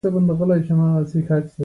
د کتاب لوستل د انسان ذهن لا روښانه کوي.